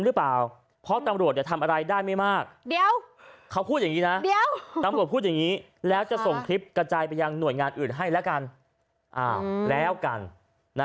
มีคลิปอื่นอีกไหม